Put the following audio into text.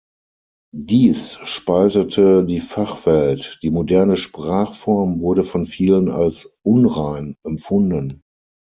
Dies spaltete die Fachwelt: die moderne Sprachform wurde von vielen als „unrein“ empfunden.